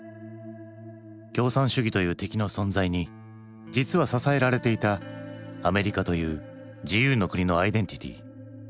共産主義という敵の存在に実は支えられていたアメリカという自由の国のアイデンティティー。